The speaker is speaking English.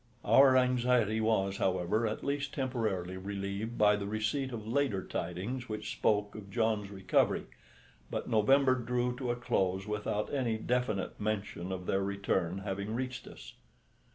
Our anxiety was, however, at least temporarily relieved by the receipt of later tidings which spoke of John's recovery; but November drew to a close without any definite mention of their return having reached us.